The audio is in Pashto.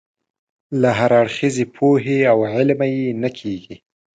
له هراړخیزې پوهې او علمه یې نه کېږي.